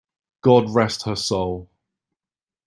God rest her soul!